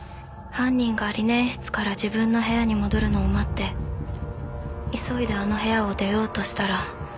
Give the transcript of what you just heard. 犯人がリネン室から自分の部屋に戻るのを待って急いであの部屋を出ようとしたら。